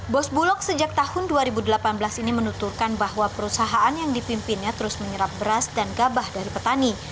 bos bulog sejak tahun dua ribu delapan belas ini menuturkan bahwa perusahaan yang dipimpinnya terus menyerap beras dan gabah dari petani